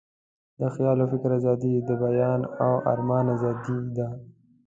د خیال او فکر آزادي، د بیان او آرمان آزادي ده.